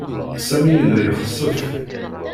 Sami yella yexsef.